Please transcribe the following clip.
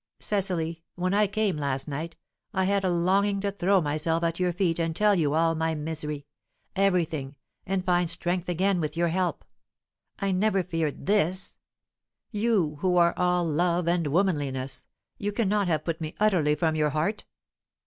"Cecily! when I came last night, I had a longing to throw myself at your feet, and tell you all my misery everything, and find strength again with your help. I never feared this. You, who are all love and womanliness, you cannot have put me utterly from your heart!"